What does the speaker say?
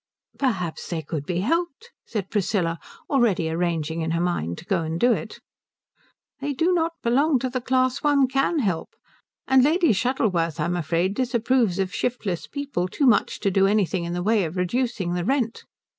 "Perhaps they could be helped," said Priscilla, already arranging in her mind to go and do it. "They do not belong to the class one can help. And Lady Shuttleworth, I am afraid, disapproves of shiftless people too much to do anything in the way of reducing the rent."